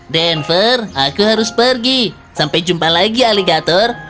denver aku harus pergi sampai jumpa lagi aligator